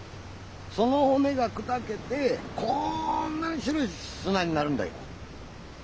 その骨が砕けてこんなに白い砂になるんだよ。